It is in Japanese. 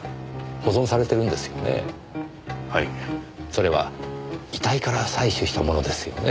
それは遺体から採取したものですよね？